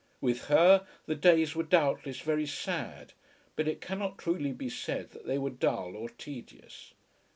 With her the days were doubtless very sad, but it cannot truly be said that they were dull or tedious.